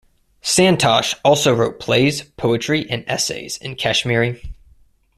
Santosh also wrote plays, poetry and essays in Kashmiri.